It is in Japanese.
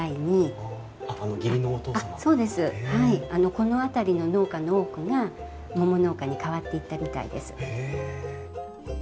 この辺りの農家の多くが桃農家に変わっていったみたいです。